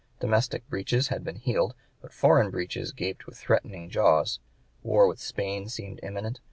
Domestic breaches had been healed, but foreign breaches gaped with threatening jaws. War with Spain seemed imminent.